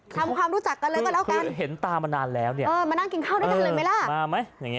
ทำความรู้จักกันแล้วก็แล้วกันมานั่งกินข้าวด้วยกันเลยไหมล่ะ